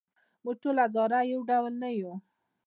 موږ ټول هزاره یو ډول نه یوو.